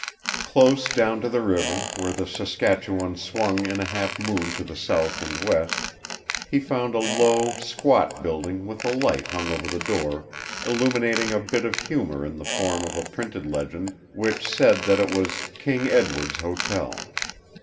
Close down to the river, where the Saskatchewan swung in a half moon to the south and west, he found a low, squat building with a light hung over the door illuminating a bit of humor in the form of a printed legend which said that it was "King Edward's Hotel."